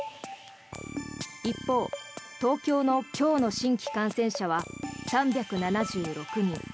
一方、東京の今日の新規感染者は３７６人。